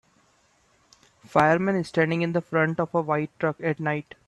Fireman standing in front of a white truck at night